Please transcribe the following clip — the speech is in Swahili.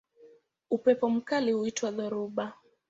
Upepo mkali huitwa dhoruba.